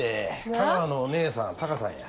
香川のお姉さんタカさんや。